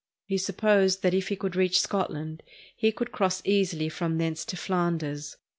He supposed that if he could reach Scotland, he could cross easily from thence to Flanders.